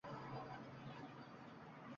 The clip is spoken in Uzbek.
unga yaqinlashishdi.